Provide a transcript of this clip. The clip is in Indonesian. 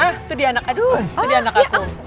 eh itu dia anak aduh itu dia anak aku